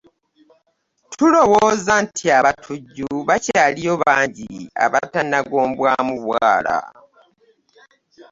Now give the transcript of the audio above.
Tulowooza nti abatujju bakyaliyo bangi abatannagombwamu bwala